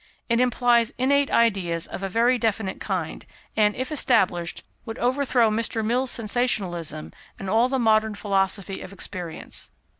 It implies innate ideas of a very definite kind, and, if established, would overthrow Mr. Mill's sensationalism and all the modern philosophy of experience.